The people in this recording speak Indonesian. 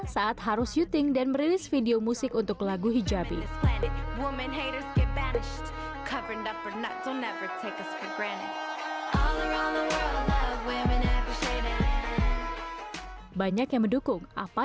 saat harus syuting dan merilis video musik untuk lagu hijabi banyak yang mendukung apa